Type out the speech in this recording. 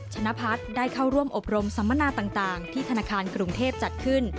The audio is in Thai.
ชนะพัฒน์ได้เข้าร่วมอบรมสัมมนาต่างที่ธนาคารกรุงเทพจัดขึ้น